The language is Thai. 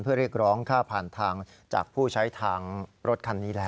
เพื่อเรียกร้องค่าผ่านทางจากผู้ใช้ทางรถคันนี้แล้ว